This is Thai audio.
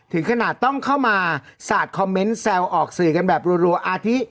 ถึงขนาดต้องเข้ามาสาดคอมเมนต์แซวออกสื่อกันแบบรัวอาทิ